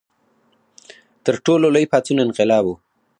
تر ټولو لوی پاڅون انقلاب و.